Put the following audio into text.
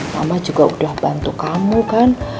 mama juga udah bantu kamu kan